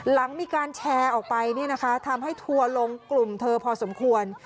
หลังมีการแชร์ออกไปทำให้ทัวร์ลงกลุ่มเธอพอสมควร